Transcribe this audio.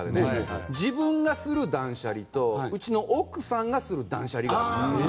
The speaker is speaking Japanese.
自分がする断捨離とうちの奥さんがする断捨離なんです。